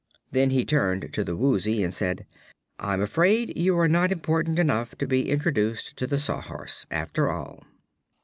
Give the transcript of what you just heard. Then he turned to the Woozy and said: "I'm afraid you are not important enough to be introduced to the Sawhorse, after all."